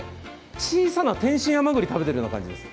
小さな天津甘栗を食べているような感じです。